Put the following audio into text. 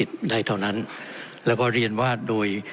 ท่านประธานที่ขอรับครับ